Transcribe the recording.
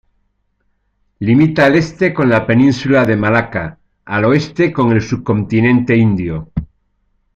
Limita al este con la península de Malaca, al oeste con el subcontinente indio.